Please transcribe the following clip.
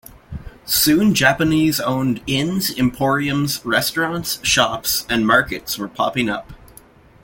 Soon Japanese-owned inns, emporiums, restaurants, shops, and markets were popping up.